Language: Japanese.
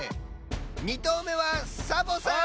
２とうめはサボさん！